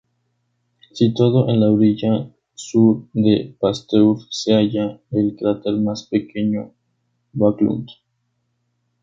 Situado en la orilla sur de Pasteur se halla el cráter más pequeño Backlund.